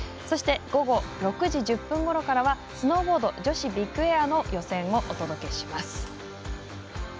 そして午後６時１０分ごろからはスノーボード女子ビッグエアの予選をお届けします。